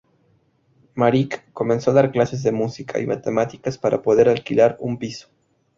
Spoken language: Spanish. Marić comenzó a dar clases de música y matemáticas para poder alquilar un piso.